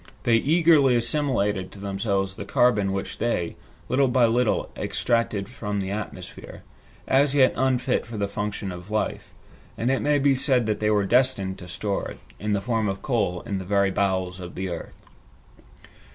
They eagerly assimilated to themselves the carbon which they, little by little, extracted from the atmosphere, as yet unfit for the function of life, and it may be said that they were destined to store it, in the form of coal, in the very bowels of the earth.